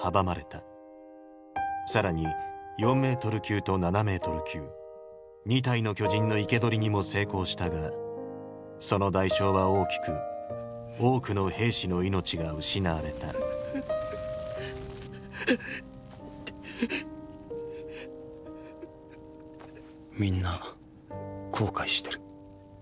更に４ｍ級と７ｍ級２体の巨人の生け捕りにも成功したがその代償は大きく多くの兵士の命が失われたみんな後悔してる。